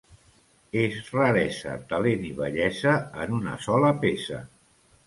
És raresa talent i bellesa en una sola peça.